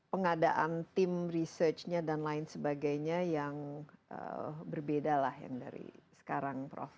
pengadaan tim researchnya dan lain sebagainya yang berbeda lah yang dari sekarang prof